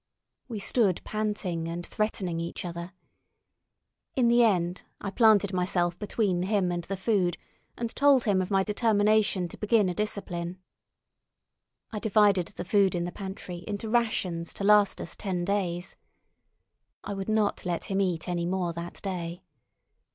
We stood panting and threatening each other. In the end I planted myself between him and the food, and told him of my determination to begin a discipline. I divided the food in the pantry, into rations to last us ten days. I would not let him eat any more that day.